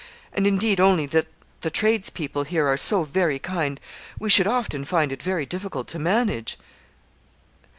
And indeed, only that the tradespeople here are so very kind, we should often find it very difficult to manage.'